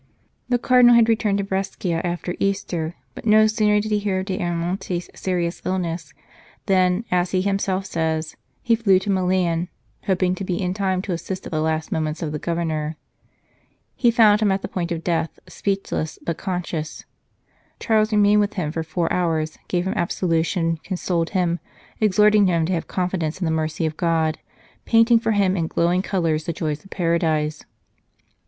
The Cardinal had returned to Brescia after Easter, but no sooner did he hear of D Ayamonte s serious illness, than, as he himself says, he flew to Milan, hoping to be in time to assist at the last moments of the Governor. He found him at the point of death, speechless, 183 St. Charles Borromeo but conscious. Charles remained with him for four hours, gave him absolution, consoled him, exhorting him to have confidence in the mercy of God, painting for him in glowing colours the joys of Paradise.